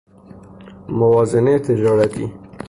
موازنه تجارتی